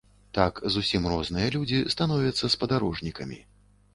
Так зусім розныя людзі становяцца спадарожнікамі.